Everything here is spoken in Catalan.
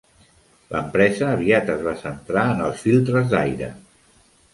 L'empresa aviat es va centrar en els filtres d'aire.